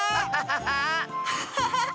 ハハハハッ！